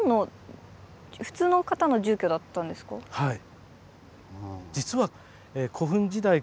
はい。